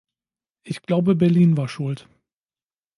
Ich glaube Berlin war schuld.